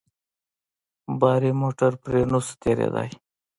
باري موټر پرې نه سو تېرېداى.